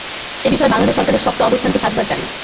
এ বিষয়ে বাংলাদেশ সরকারের শক্ত অবস্থানকে সাধুবাদ জানাই।